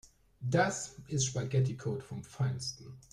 Das ist Spaghetticode vom Feinsten.